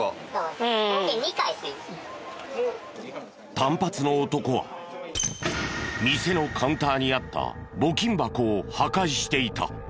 短髪の男は店のカウンターにあった募金箱を破壊していた。